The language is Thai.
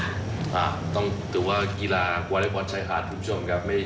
ค่ะแต่ว่ากีฬากว่าได้ปลอดภัยค่ะทุกชม